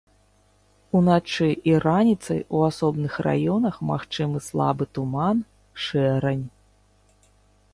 Уначы і раніцай у асобных раёнах магчымы слабы туман, шэрань.